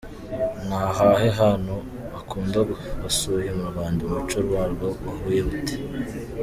Ni ahahe hantu ukunda wasuye mu Rwanda, umuco warwo wawubonye ute?.